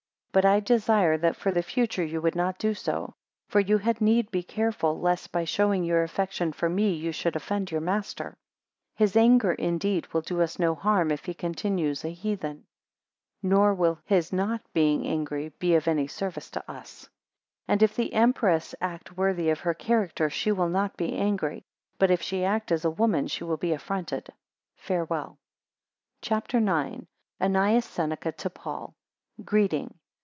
4 But I desire that for the future you would not do so; for you had need be careful, lest by showing your affection for me, you should offend your master: 5 His anger indeed will do us no harm, if he continue a heathen; nor will his not being angry be of any service to us: 6 And if the empress act worthy of her character, she will not be angry; but if she act as a woman, she will be affronted. Farewell. CHAPTER IX. ANNEUS SENECA to PAUL Greeting.